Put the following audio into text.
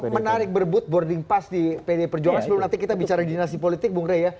menarik berbut boarding pass di pd perjuangan sebelum nanti kita bicara dinasti politik bung rey ya